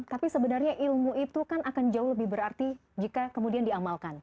tapi sebenarnya ilmu itu kan akan jauh lebih berarti jika kemudian diamalkan